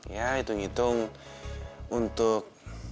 ya hitung hitung untuk